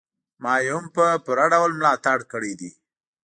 ما يې هم په پوره ډول ملاتړ کړی دی.